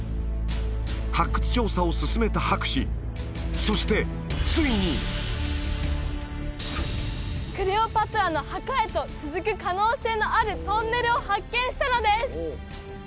発掘調査を進めた博士そしてついにクレオパトラの墓へと続く可能性のあるトンネルを発見したのです！